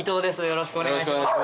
よろしくお願いします。